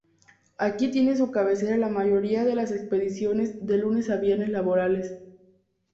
Aquí tienen su cabecera la mayoría de las expediciones de lunes a viernes laborables.